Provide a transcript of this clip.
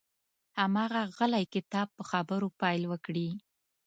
هماغه غلی کتاب په خبرو پیل وکړي.